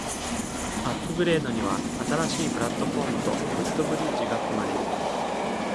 アップグレードには、新しいプラットフォームとフットブリッジが含まれる。